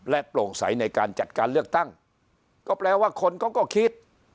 โปร่งใสในการจัดการเลือกตั้งก็แปลว่าคนเขาก็คิด